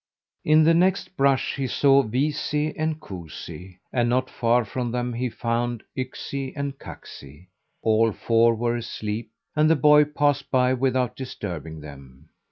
In the next brush he saw Viisi and Kuusi, and not far from them he found Yksi and Kaksi. All four were asleep, and the boy passed by without disturbing them.